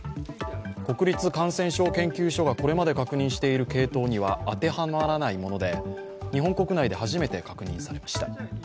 国立感染症研究所がこれまで確認している系統には当てはまらないもので日本国内で初めて確認されました。